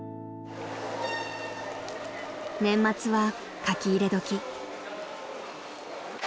［年末は書き入れ時］